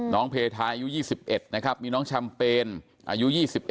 น้องเพทายอายุ๒๑นะครับมีน้องชำเปญอายุ๒๑